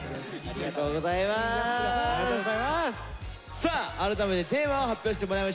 （さあ改めてテーマを発表してもらいましょう。